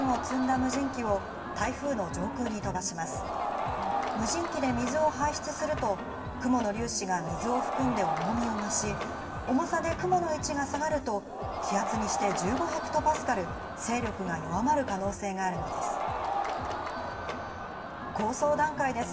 無人機で水を排出すると、雲の粒子が水を含んで重みを増し、重さで雲の位置が下がると、気圧にして１５ヘクトパスカル、勢力が弱まる可能性があるのです。